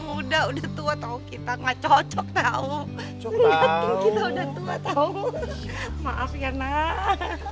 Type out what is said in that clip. udah tua tau kita nggak cocok tahu kita udah tua tahu maaf ya nah